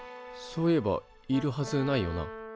そういえばいるはずないよな。